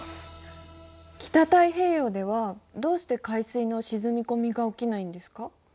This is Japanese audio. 北太平洋ではどうして海水の沈み込みが起きないんですか？